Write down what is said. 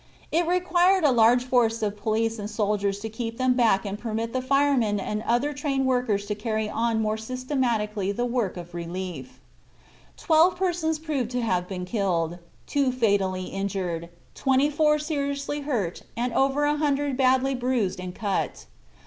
It required a large force of police and soldiers to keep them back and permit the firemen and other trained workers to carry on more systematically the work of relief. Twelve persons proved to have been killed, two fatally injured, twenty four seriously hurt and over a hundred badly bruised and cut.